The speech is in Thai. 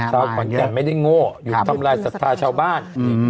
ขอนแก่นไม่ได้โง่อยู่ทำลายศรัทธาชาวบ้าน